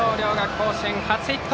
甲子園、初ヒット！